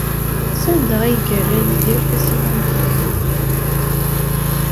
Sanda ay yerra Yidir tasiwant-inu?